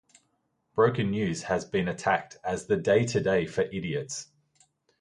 "Broken News" has been attacked as "The Day Today" for idiots.